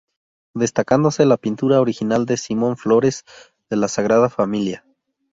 Destacándose la pintura original de Simón Flores de la Sagrada Familia.